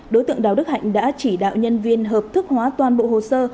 đối tượng đào đức hạnh đã chỉ đạo nhân viên hợp thức hóa toàn bộ hồ sơ